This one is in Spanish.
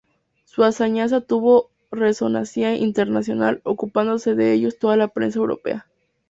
Su hazaña tuvo resonancia internacional, ocupándose de ellos toda la prensa europea.